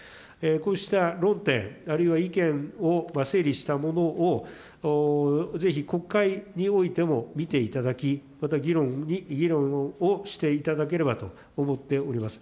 こうした論点、あるいは意見を整理したものを、ぜひ、国会においても見ていただき、また議論をしていただければと思っております。